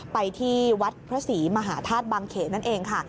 ไปที่วัดพระศรีมหาธาตุบังเขนนั่นเองค่ะ